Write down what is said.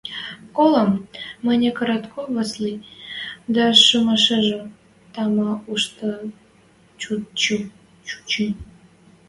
– Колам, – маньы Коротков Васли дӓ шӱмешӹжӹ тама ӱштӹн чучы.